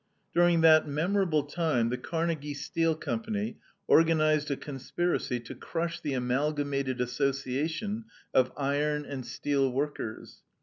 During that memorable time the Carnegie Steel Company organized a conspiracy to crush the Amalgamated Association of Iron and Steel Workers.